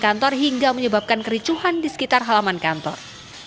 kantor hingga menyebabkan kericuhan di sekitar halaman kantor